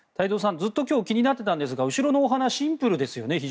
ずっと今日気になってたんですが後ろのお花はシンプルですよね。